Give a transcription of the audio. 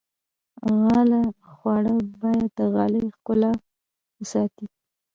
غاله خواره باید د غالۍ ښکلا وساتي.